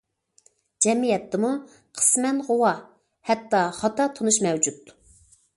جەمئىيەتتىمۇ قىسمەن غۇۋا، ھەتتا خاتا تونۇش مەۋجۇت.